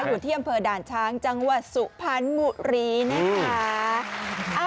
อยู่ที่อำเภอด่านช้างจังหวัดสุพรรณบุรีนะคะ